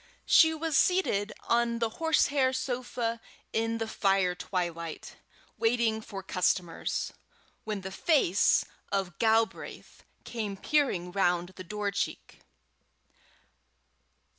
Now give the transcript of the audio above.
She was seated on the horsehair sofa in the fire twilight, waiting for customers, when the face of Galbraith came peering round the door cheek.